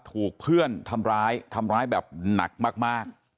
ถูกเพื่อนทำร้ายทำร้ายแบบหนักมาก